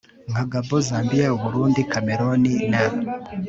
nka Gabon Zambiya u Burundi Kameruni na